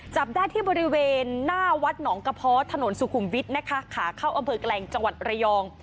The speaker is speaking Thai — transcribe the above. จับได้ที่บริเวณหน้าวัดหนองกระเพาะถนนสุขุมวิทย์นะคะขาเข้าอำเภอแกลงจังหวัดระยอง